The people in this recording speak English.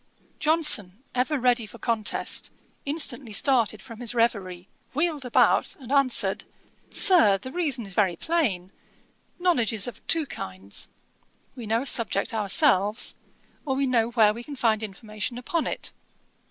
Johnson, ever ready for contest, instantly started from his reverie, wheeled about, and answered, 'Sir, the reason is very plain. Knowledge is of two kinds. We know a subject ourselves, or we know where we can find information upon it.